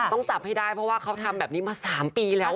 ต้องจับให้ได้เพราะว่าเขาทำแบบนี้มา๓ปีแล้ว